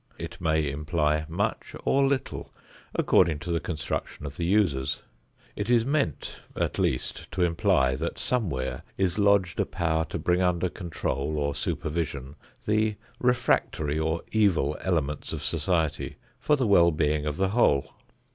It may imply much or little, according to the construction of the users. It is meant at least to imply that somewhere is lodged a power to bring under control or supervision the refractory or evil elements of society for the well being of the whole.